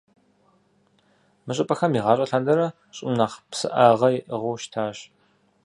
Мы щӏыпӏэхэм, игъащӏэ лъандэрэ, щӏым нэхъ псыӏагъэ иӏыгъыу щытащ.